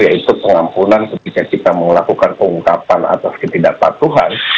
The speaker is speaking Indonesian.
yaitu pengampunan ketika kita melakukan pengungkapan atas ketidakpatuhan